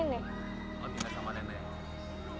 oh tinggal sama nenek